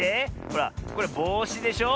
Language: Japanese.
ほらこれぼうしでしょ。